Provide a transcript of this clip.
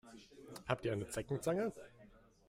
Habt ihr eine Zeckenzange?